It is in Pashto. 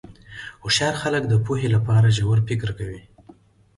هوښیار خلک د پوهې لپاره ژور فکر کوي.